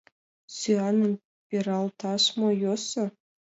Сӱаным пералташ мо йӧсӧ?